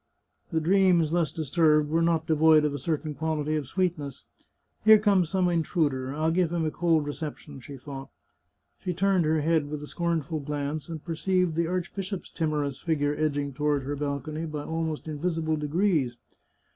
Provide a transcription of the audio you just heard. The dreams thus dis turbed were not devoid of a certain quality of sweetness. " Here comes some intruder. I'll give him a cold recep tion," she thought. She turned her head with a scornful glance, and perceived the archbishop's timorous figure edg ing toward her balcony by almost invisible degrees.